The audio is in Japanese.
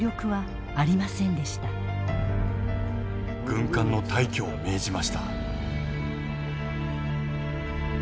軍艦の退去を命じました。